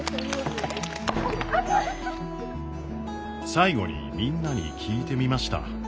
最後にみんなに聞いてみました。